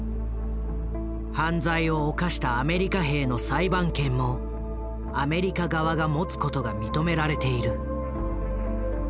犯罪を犯したアメリカ兵の裁判権もアメリカ側が持つことが認められている。